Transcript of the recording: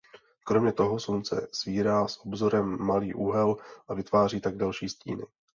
Kromě toho Slunce svírá s obzorem malý úhel a vytváří tak delší stíny.